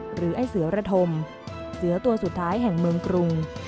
หรือไอ้เสือระธมเสือตัวสุดท้ายแห่งเมืองกรุง